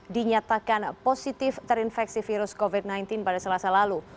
dinyatakan positif terinfeksi virus covid sembilan belas pada selasa lalu